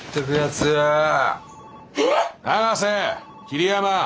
桐山！